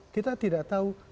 kita tidak tahu